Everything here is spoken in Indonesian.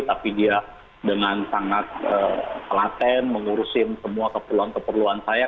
tapi dia dengan sangat telaten mengurusin semua keperluan keperluan saya